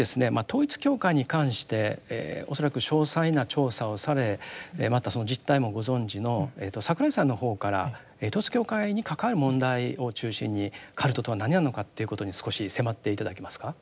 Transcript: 統一教会に関して恐らく詳細な調査をされまたその実態もご存じの櫻井さんの方から統一教会に関わる問題を中心にカルトとは何なのかっていうことに少し迫って頂けますか。